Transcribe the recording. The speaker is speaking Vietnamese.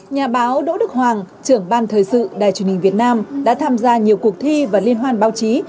nhà báo đỗ đức hoàng trưởng ban thời sự đài truyền hình việt nam đã tham gia nhiều cuộc thi và liên hoan báo chí